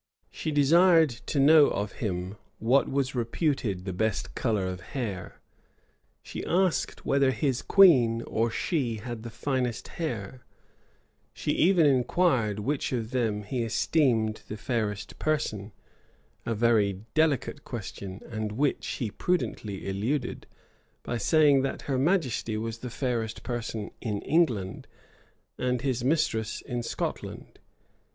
She desired to know of him what was reputed the best color of hair: she asked whether his queen or she had the finest hair: she even inquired which of them he esteemed the fairest person; a very delicate question, and which he prudently eluded, by saying that her majesty was the fairest person in England and his mistress in Scotland.